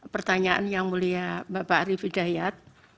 pertanyaan yang mulia bapak ariefudhayat